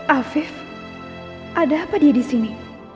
afif ada apa dia disini